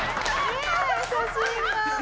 ねえ写真が。